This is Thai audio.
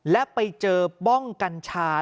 และไปเจอป้องกัญชา